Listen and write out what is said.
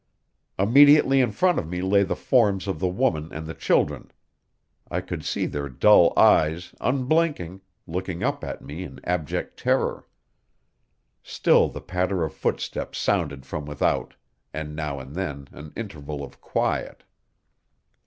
Immediately in front of me lay the forms of the woman and the children; I could see their dull eyes, unblinking, looking up at me in abject terror. Still the patter of footsteps sounded from without, with now and then an interval of quiet.